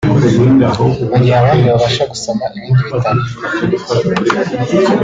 mu gihe abandi babasha gusoma ibindi bitabo